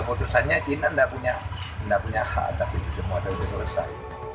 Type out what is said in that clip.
keputusannya china tidak punya hak atas itu semua dan itu selesai